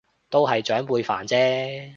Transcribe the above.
都係長輩煩啫